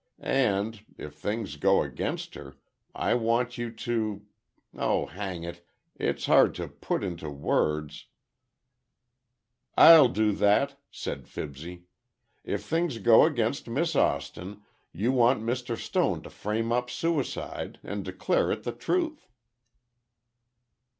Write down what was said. And—if things go against her—I want you to—oh, hang it, it's hard to put into words—" "I'll do that," said Fibsy, "if things go against Miss Austin, you want Mr. Stone to frame up suicide, and declare it the truth."